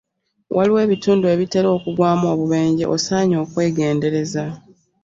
Waliwo ebitundu ebitera okugwamu obubenje osaanye okwegendereza.